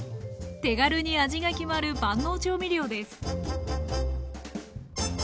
手軽に味が決まる万能調味料です